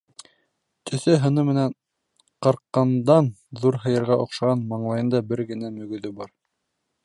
Төҫө-һыны менән Ҡарҡаданн ҙур һыйырға оҡшаған, маңлайында бер генә мөгөҙө бар.